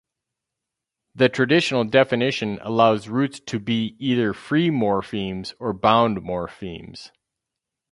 The traditional definition allows roots to be either free morphemes or bound morphemes.